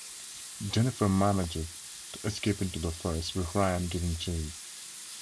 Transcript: Jennifer manages to escape into the forest with Ryan giving chase.